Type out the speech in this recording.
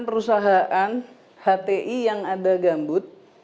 sembilan puluh sembilan perusahaan hti yang ada gambut